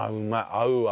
合うわ。